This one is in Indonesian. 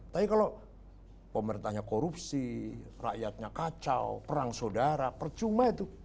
tapi kalau pemerintahnya korupsi rakyatnya kacau perang saudara percuma itu